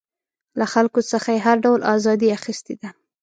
له خلکو څخه یې هر ډول ازادي اخیستې ده.